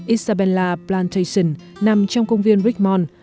isabella plantation nằm trong công viên richmond